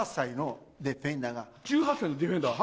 １８歳のディフェンダー？